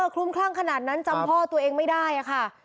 คลุมคลั่งขนาดนั้นจำพ่อตัวเองไม่ได้ค่ะ